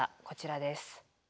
こちらです。